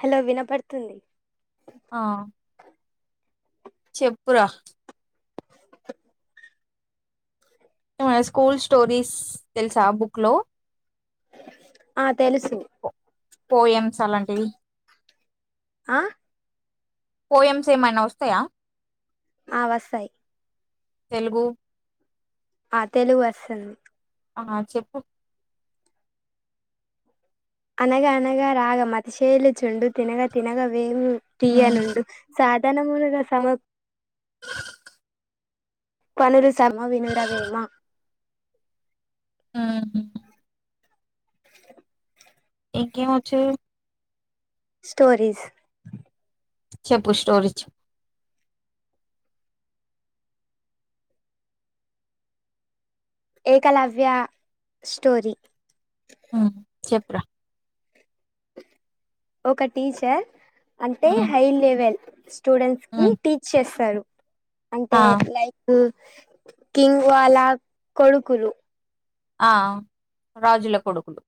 Hello వినపడుతుంది ఆ చెప్పురా ఏమై స్కూల్ స్టోరీస్ తెలుసా బుక్ లో ఆ తెలుసు పోఎమ్స్ అలాంటివి ఆ పోఎంసేమై న వస్తాయా ఆ వస్తయ్ తెలుగు ఆ తెలుగు వస్తుంది ఆ చెప్పు అనగా అనగా రాగ మతిశైఇల్లు చుండు తినగ తినగ వేము ఉమ్ తీయనుండు సాధారణ మూగ సమ పనూలు సమ వినురవేమా మ్ హు ఇంకేం వచ్చు స్టోరీస్ చెప్పు స్టోరీ చెప్ ఏకలవ్య స్టోరీ హు మ్ చెప్పురా ఒక టీచర్ అంటే ఉమ్ హై లెవెల్ స్టూడెంట్స్ కి ఉమ్ టీచ్ చేస్తారు అంటే ఆ లైక్ కింగ్ వాళ్ళ కొడుకులు ఆ రాజుల కొడుకులు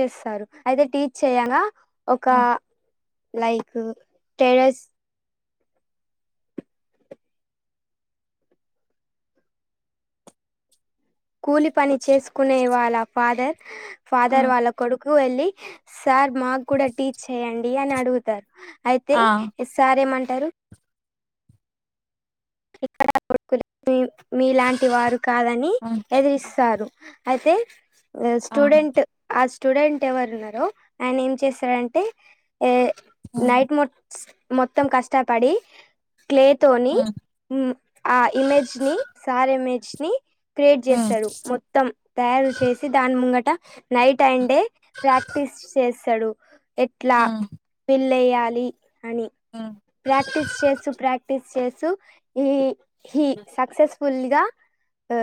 చేస్తారు అయితే టీచ్ చేయంగా ఒక ఉమ్ లైక్ టెర్రెస్ కూలి పని చేసుకునే వాళ్ళ ఫాదర్ ఫాదర్ ఉమ్ వాళ్ళ కొడుకు కు వెళ్ళి సార్ మాకు కూడా టీచ్ చేయండి అని అడుగుతారు అయితే ఆ సారేమంటారు ఇక్కడ మీలాంటి వారు కాదని ఉమ్ ఎదిరిస్తారు అయితే ఆ స్టూడెంట్ ఆ స్టూడెంట్ ఎవరు ఉన్నారో ఆయన ఏం చేశారంటే ఉమ్ నైట్ మోట్స్ మొత్తం కష్టపడి క్లే తోని ఉమ్ ఆ ఇమేజ్ ని సార్ ఇమేజ్ ని క్రియేట్ ఉమ్ చేస్తారు మొత్తం తయారు చేసి దాని ముంగట నైట్ అండ్ డే ప్రాక్టీస్ చేస్తాడు ఎట్లా ఉమ్ వెళయ అని ఉమ్ ప్రాక్టీస్ చేస్తూ ప్రాక్టీస్ చేస్తూ ఈ హ సక్సెస్ఫుల్గా ఆ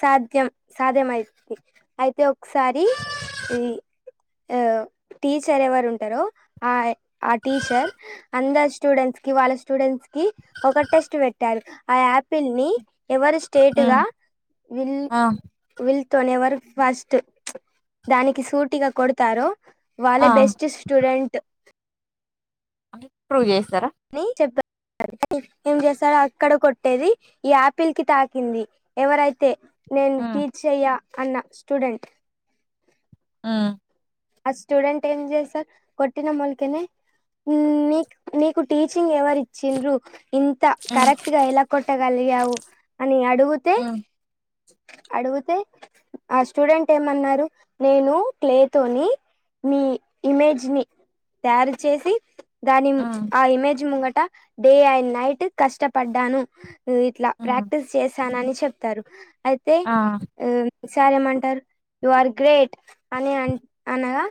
సాధ్యం సాధ్యం అయిది అయితే ఒకసారి ఈ టీచర్ ఎవరు ఉంటారో ఆ ఆ టీచర్ అందరు స్టూడెంట్స్ కి వాళ్ళ స్టూడెంట్స్ కి ఒక టెస్ట్ పెట్టారు ఆ యాపిల్ ని ఎవరి ఉమ్ స్టేట్గా విల్ ఆ వి తనేవర్ ఫస్ట్ దానికి సూటిగా కొడతారు వాళ్ళ ఆ బెస్ట్ స్టూడెంట్ అ ఇప్పుడుజ న చెప్త అే ఏం చేస్తారో అక్కడ కొట్టేది ఈ ఆపిల్ కి తాకింది ఎవరైతే నేను ఉమ్ టీచయ్యా అన్న స్టూడెంట్ ఆ అ స్టూడెంట్ ఏం చే సార్ కొట్టి నా మూలకెనే నీక్ నీకు టీచింగ్ ఎవరి ఇచ్చిిన్రు ఇంత ఉమ్ కరెక్ట్ గా ఎలా కొట్టగలిగావు అని అడుగితే ఉమ్ అడుగుతే ఆ స్టూడెంట్ ఏమన్నారు నేను క్లే తోని మీ ఇమేజ్ ని తయారు చేసి గాని ఉమ్ ఆ ఇమేజ్ ముంగట డే అండ్ నైట్ కష్టపడ్డాను ఇట్లా ఉమ్ ప్రాక్టీస్ చేశానని చెప్తారు అయితే ఆ ఆ సార్ేమంటారు యు ఆర్ గ్రేట్ అని అ అనగా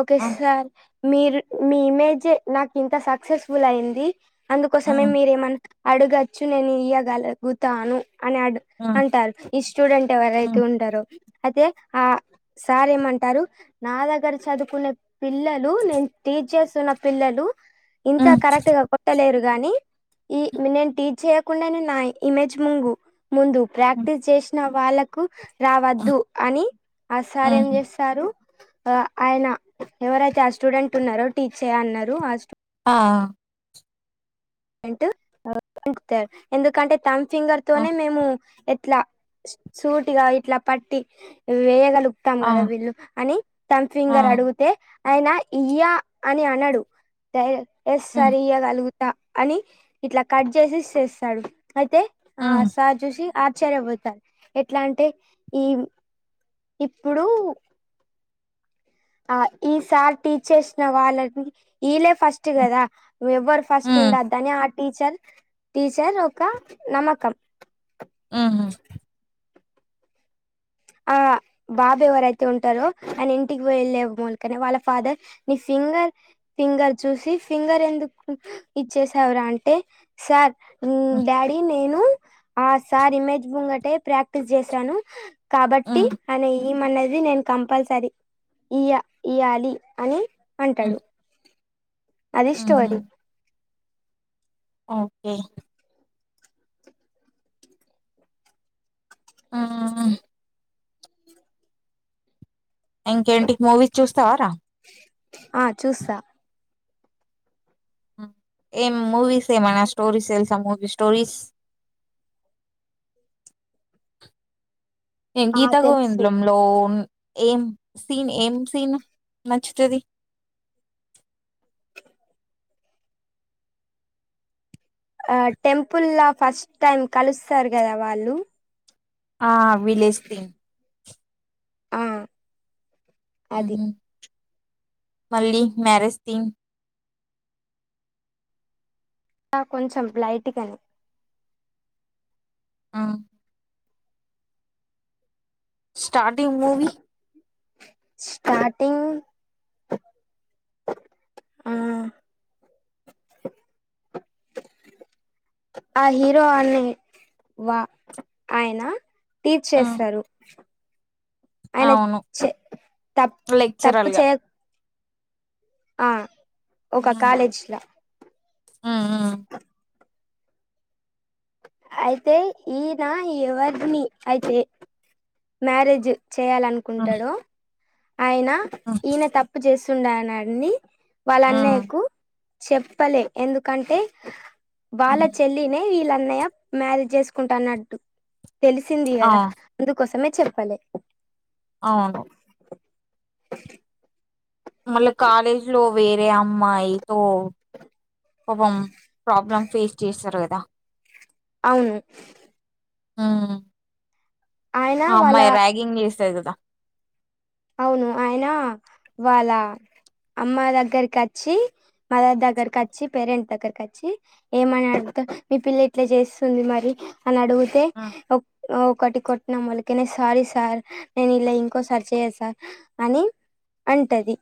ఓకే ఆ సార్ మీరు మీ ఇమేజ్ నాకు ఇంత సక్సెస్ఫుల్ అయింది అందుకోసమే ఉమ్ మీరేమన్నా అడగచ్చు నేను ఇయగలుగుతాను అని అడు హ్మ్ అంటారు ఈ స్టూడెంట్ ఎవరైతే హ్మ్ ఉంటారో అయితే ఆ సార్ేమంటారు నా దగ్గర చదువుకునే పిల్లలు నేను టీచర్స్ ఉన్న పిల్లలు ఇంత హ్మ్ కరెక్ట్ గా కొట్టలేరు గాని ఈ నేను టీచ్ చేయకుండానే నా ఇమేజ్ ముంగ ముందు హ్మ్ ప్రాక్టీస్ చేసినా వాళ్ళకు హ్మ్ రావద్దు అని ఆ సార్ ఏం హుహు. చేస్తారు ఆ ఆయన ఎవరైతే ఆ స్టూడెంట్ ఉన్నారో టీచ్య అన్నారు ఆ ఆ అంట పంుతారు ఎందుకంటే థమ్ ఫింగర్ ఆ! తోనే మేము ఎట్లా సూటిగా ఇట్లా పట్టి వేగ చెతాం ఆ! కదా వీళ్ళు అని తథంమ్ ఆ! ఫింగర్ అడిగితే అయనా ఇయ్యా అని అన్నాడు ఎస్ హ్మ్. సార్ ఇయ్యగలుగుతా అని ఇట్లా కట్ చేసి చేస్తాడు అయితే ఆ హ్మ్. సార్ చూసి ఆశ్చర్యపోతారు ఎట్లా అంటే ఈ ఇప్పుడు ఆ ఈ సార్ టీచ్ చేసిన వాళ్ళని ఈల ఫస్ట్ హ్మ్. కదా ఎవ్వరు ఫస్ట్ హ్మ్. ఉండద్దని ఆ టీచర్ టీచర్ ఒక నమ్మకం ఉహు ఆ బాబు ఎవరైతే ఉంటారో అని ఇంటికి వెళ్ళ మూలకనే వాళ్ళ ఫాదర్ నీ ఫింగర్ ఫింగర్ చూసి ఫింగర్ ఎందుకు ఇచ్చేసావురా అంటే సార్ హ్మ్. డాడీ నేను ఆ సార్ ఇమేజ్ బొంగటే ప్రాక్టీస్ చేశాను కాబట్టి హ్మ్. అనే ఈమ అన్నది నేను కంపల్సరీ ఇ ఇయ్యాలి అని హ్మ్. అంటాడు అది హుహు. స్టోరీ ఓకే ఆ ఇంకేంటికి మూవీస్ చూస్తావరా ఆ చూస్తా ఏ మూవీస్ ఏ మనా స్టో సెల్స్ మూవీ స్టోరిస్ [inaudible] ఏమ్ ఆ గీతా తెలుసు గోవిందాం లో ఏం సీన్ ఏం సీను నచ్చుతది ఆ టెంపుల్లా ఫస్ట్ టైం కలుస్తారు కదా వాళ్ళు ఆ విలేజ్ ది ఆ అది ఉహు మళ్ళీ మ్యారజ్ థీమ్ కొంచెం లైట్గానే ఉ స్టార్టింగ్ మూవీ స్టార్టింగ్ ఉమ్ [inaudible] ఆ హీరో అని వా ఆయన తీర్ హ్మ్. చేస్తారు ఆయన అవును. చె తప్పు తప్పు లెక్చరర్‌గా. చేయ ఆ ఒక కాలేజ్ ల ఉహ్ అయితే ఈయన ఎవర్ని అయితే మ్యారేజ్ హ్మ్ చేయాలనుకుంటాడో ఆయన హ్మ్ ఈయన తప్పు చేస్తుండని అడిని వాళ్ళ హ్మ్ అన్నయకు చెప్పలే ఎందుకంటే వాళ్ళ హ్మ్. చెల్లినే వీళ్ల అన్నయ్య మ్యారేజ్ చేసుకుంటాన్నట్టు తెలిసింది ఆ! కదా అందుకోసమే చెప్పలే అవును [inaudible] మళ్ళా కాలేజ్ లో వేరే అమ్మాయితో పాపం ప్రాబ్లం ఫేస్ చేస్తారు కదా అవును ఉ ఆయన ఆ వాళ్ళ అమ్మాయి రగింగ్ చేస్తది కదా అవును ఆయన వాళ్ళ అమ్మ దగ్గరికి వచ్చి మదర్ దగ్గర వచి పేరెంట్ దగ్గరక వచ్చి ఏమని అడుతా మీ పిల్ల ఇట్లా చేస్తుంది మరి అని అడిగితే హ్మ్. ఒక్ ఒకటి కొట్టినా మళ్ళకినే సారీ సార్ నేను ఇలా ఇంకో సార్ చేయా హా అని అంటది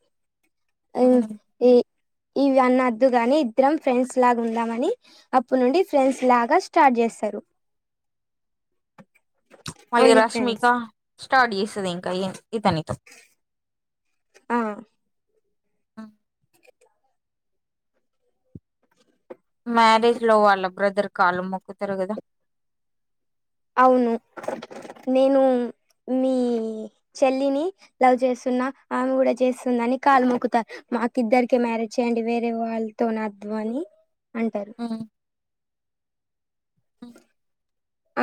ఆ హ్మ్. ఇ ఇవి అన్నద్దు గాని ఇద్దరం ఫ్రెండ్స్ లాగా ఉందామని అప్పడు నుండి ఫ్రెండ్స్ లాగా స్టార్ట్ చేస్ సరూ మళ్ళీ ఓన్లీ ఫ్రెండ్స్ రష్మిక స్టార్ట్ చేసది ఇంకా ఇతనితో ఆ హ్మ్. మ్యారేజ్ లో వాళ్ళ బ్రదర్ కాలు మొక్కుతారు కదా అవును నేను మీ చెల్లిని లవ్ చేసు తున్న ఆమె కూడా చేస్తుందని కాలు మొక్కుతారు మాకు ఇద్దరికే మ్యారేజ్ చేయ్యడి వేరే వాళ్ళతో నా అని అంటారు హ్మ్. హ్మ్. అ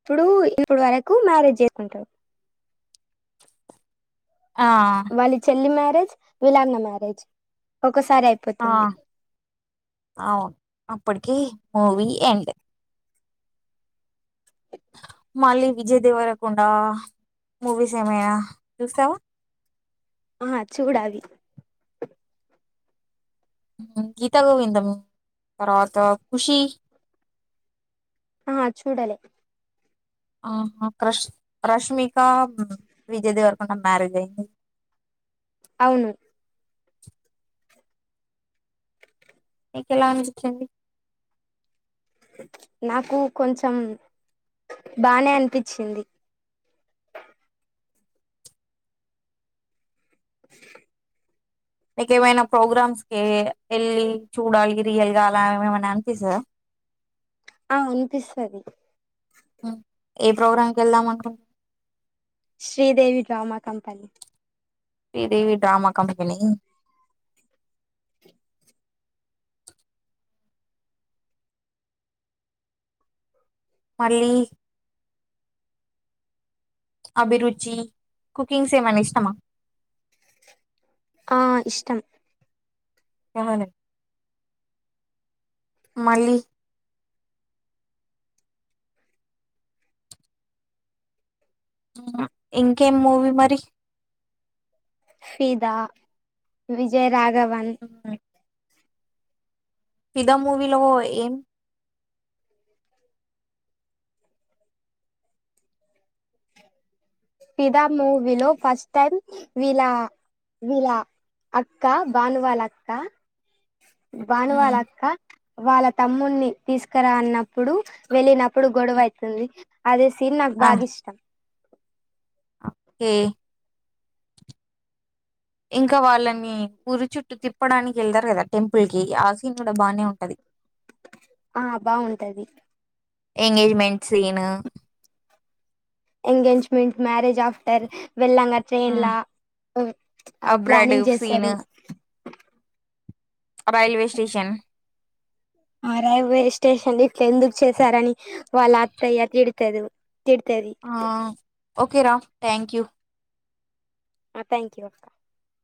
ఇప్పుడు ఇప్పుడు వరకు మ్యారేజ్ చేసుకుంటారు ఆ! వాళ్ళి చెల్లి మ్యారేజ్ విలాన్న మ్యారేజ్ ఒకసారి ఆ! అయిపోతుంది అవును. అప్పటికి మూవీ ఎండ్ మళ్ళీ విజయ్ దేవరకుండా మూవీస ఏమైనా చూస్తావా ఆహా చూడాలి గీత గోవిందం తర్వాత ఖుషి ఆహా చూడలే ఆహ క్రష్ రష్మిక విజయ దేవరకొండ మ్యారేజ్ అయి్యంది అవును మీక ఎలా అనిపించింది నాకు కొంచెం బానే అనిపించింది ఇక ఏమైనా ప్రోగ్రామ్స్ కి ఏళ్ళి చూడాలి రియల్ గా అలా ఏమన్నా అనిపిస్తాద ఆ అనిపిస్తది హ్మ ఏ ప్రోగ్రాం కి వెళ్దాం అనుకు Sridevi drama company Sridevi drama company మళ్ళీ అభిరుచి కుకింగ్ ఏమన్నా ఇష్టమా ఆ ఇష్టం ఏమనీ మళ్ళీ అవునా ఇంకేం మూవీ మరి ఫీదా విజయ రాఘవ్ హ్మ ఫిదా మూవీలో ఏం ఫిదా మూవీ లో ఫస్ట్ టైం వీల విలా అక్క భానువాల అక్క భానువాళక్క వాళ్ళ తమ్ముని తీసుకరా అన్నప్పుడు వెళ్ళినప్ ఇప్పుడు గొడవ అయితుంది అదే సీన్ నాక్ ఆ బాగా ఇష్టం ఓకే ఇంకా వాళ్ళని ఉరి చుట్టూ తిప్పడానికి ఏళ్తారు కదా టెంపుల్ కి ఆసీన్ కూడా బానే ఉంటది ఆ బాగుంటది engagement scene engagement marriage after వెళ్ళాంగా ట్రైన్ లా అబ్రాడ్ ప్లానింగ్ సీన్ చేసారు రైల్వే స్టేషన్ ఆ రైల్వే స్టేషన్ ఇట్లా ఎందుకు చేశారని వాళ్ళ అత్తయ్య తిడతది ఆ ఓకే రా థ్యాంక్ యూ థ్యాంక్ యూ అక్క